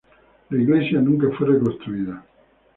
La iglesia nunca fue reconstruida.